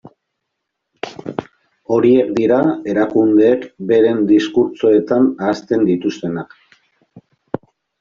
Horiek dira erakundeek beren diskurtsoetan ahazten dituztenak.